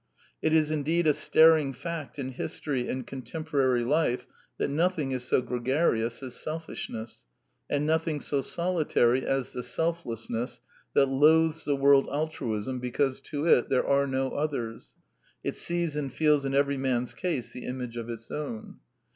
It is indeed a staring fact in history and contemporary life that nothing Is so gregarious as selfishness, and nothing so solitary as the selflessness that loathes the word Altruism because to it there are no " others ": it sees and feels in every man's case the image of its own.